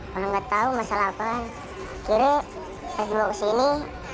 kalau nggak tahu masalah apaan akhirnya harus bawa ke sini